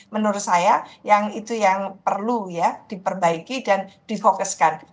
menurut saya yang itu yang perlu ya diperbaiki dan difokuskan